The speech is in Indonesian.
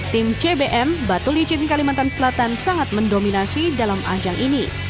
tim cbm batu licin kalimantan selatan sangat mendominasi dalam ajang ini